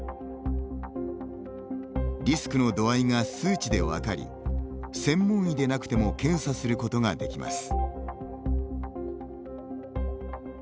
リスクの度合いが数値で分かり専門医でなくても検査することができます。